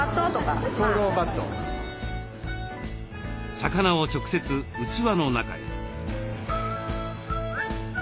魚を直接器の中へ。